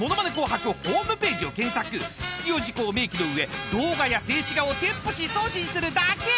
［必要事項を明記の上動画や静止画を添付し送信するだけ］